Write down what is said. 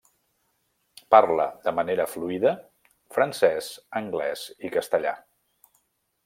Parla de manera fluida francès, anglès i castellà.